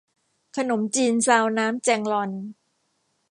ขนมจีนซาวน้ำแจงลอน